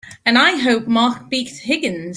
And I hope Mark beats Higgins!